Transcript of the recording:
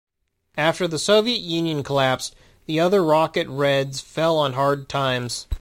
After the Soviet Union collapsed, the other Rocket Reds fell on hard times.